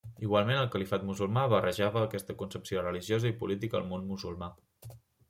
Igualment el califat musulmà barrejava aquesta concepció religiosa i política al món musulmà.